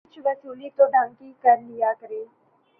کچھ وصولی تو ڈھنگ کی کرا لیا کریں۔